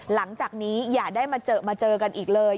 หลังจากนี้อย่าได้มาเจอมาเจอกันอีกเลย